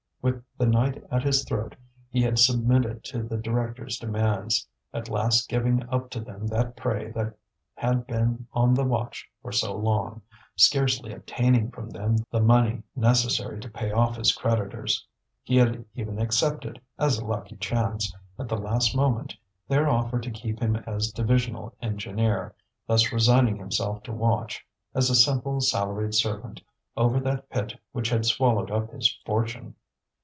With the knife at his throat he had submitted to the directors' demands, at last giving up to them that prey they had been on the watch for so long, scarcely obtaining from them the money necessary to pay off his creditors. He had even accepted, as a lucky chance, at the last moment, their offer to keep him as divisional engineer, thus resigning himself to watch, as a simple salaried servant, over that pit which had swallowed up his fortune.